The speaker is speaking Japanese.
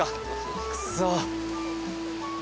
くそ。